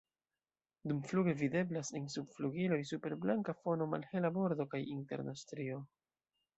Dumfluge videblas en subflugiloj super blanka fono malhela bordo kaj interna strio.